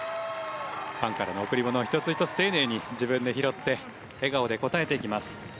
ファンからの贈り物を１つ１つ、丁寧に自分で拾って笑顔で応えていきます。